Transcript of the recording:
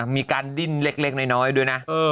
มีการดิ้นเล็กน้อยด้วยนะ